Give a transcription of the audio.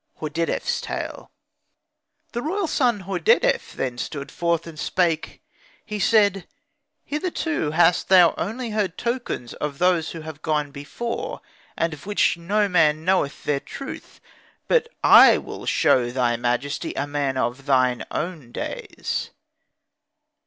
HORDEDEF'S TALE The royal son Hordedef then stood forth and spake. He said, "Hitherto hast thou only heard tokens of those who have gone before, and of which no man knoweth their truth But I will show thy majesty a man of thine own days."